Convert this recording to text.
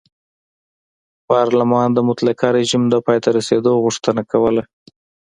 پارلمان د مطلقه رژیم د پای ته رسېدو غوښتنه کوله.